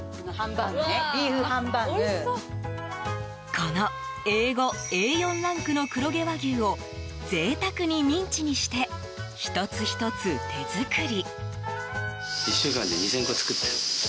このＡ５・Ａ４ランクの黒毛和牛をぜいたくにミンチにして１つ１つ、手作り。